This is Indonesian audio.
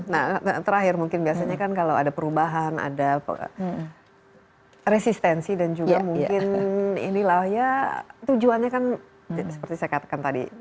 nah terakhir mungkin biasanya kan kalau ada perubahan ada resistensi dan juga mungkin inilah ya tujuannya kan seperti saya katakan tadi